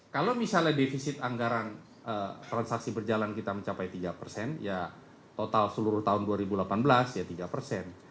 kalau misalnya defisit anggaran transaksi berjalan kita mencapai tiga persen ya total seluruh tahun dua ribu delapan belas ya tiga persen